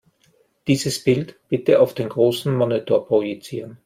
Dieses Bild bitte auf den großen Monitor projizieren.